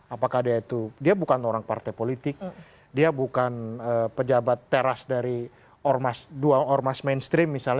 apakah dia itu dia bukan orang partai politik dia bukan pejabat teras dari dua ormas mainstream misalnya